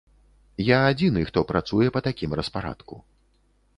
Я адзіны, хто працуе па такім распарадку.